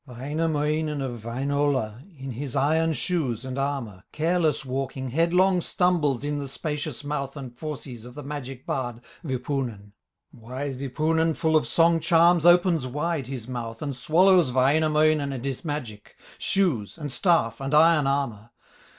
Wainamoinen of Wainola, In his iron shoes and armor, Careless walking, headlong stumbles In the spacious mouth and fauces Of the magic bard, Wipunen. Wise Wipunen, full of song charms, Opens wide his mouth and swallows Wainamoinen and his magic, Shoes, and staff, and iron armor.